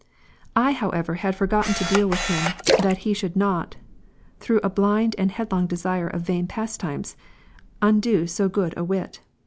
12. I however had forgotten to deal with him, that he should not, through a blind and headlong desire of vain pas times, undo so good a wit.